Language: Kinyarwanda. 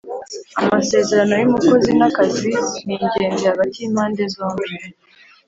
Amasezerano yumukozi na kazi ni ingenzi hagati yimpande zombi